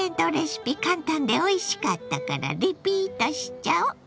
簡単でおいしかったからリピートしちゃお！